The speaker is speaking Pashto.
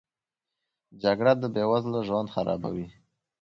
جګړه د بې وزلو ژوند خرابوي